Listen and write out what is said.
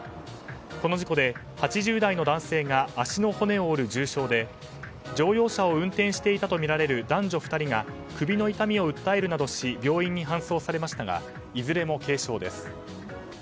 この事故で８０代の男性が足の骨を折る重傷で乗用車を運転していたとみられる男女２人が首の痛みを訴えるなどし病院に搬送されましたがいずれも軽傷です。